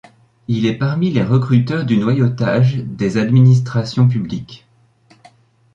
Il est parmi les recruteurs du Noyautage des administrations publiques.